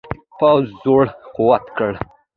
پوځ زړه قوت کړ.